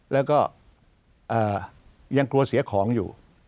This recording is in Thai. แล้วก็ยังกลัวเสียของอยู่